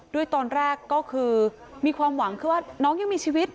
ด้วยตอนแรกก็คือมีความหวังคือว่าน้องยังมีชีวิต